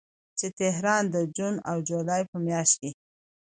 چې تهران د جون او جولای په میاشتو کې